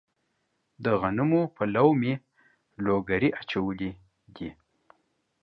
د غنمو په لو مې لوګري اچولي دي.